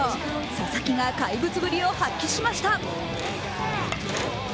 佐々木が怪物ぶりを発揮しました。